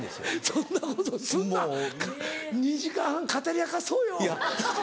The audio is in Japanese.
そんなことをすんな２時間半語り明かそうよ。